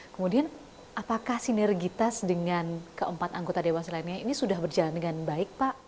kemudian apakah sinergitas dengan keempat anggota dewas lainnya ini sudah berjalan dengan baik pak